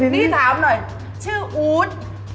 นี่ถามหน่อยชื่ออู๊ด